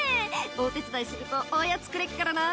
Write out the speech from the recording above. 「お手伝いするとおやつくれっからな」